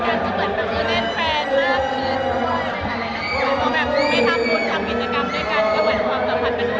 ก็ยังเป็นพี่น้องที่ร่วมงานกันเหมือนเดิม